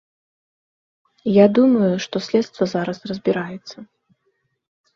Я думаю, што следства зараз разбіраецца.